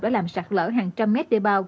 đã làm sạt lở hàng trăm mét đê bao